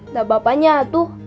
nah bapaknya atu